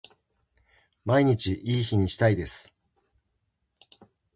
毎日いい日にしたいです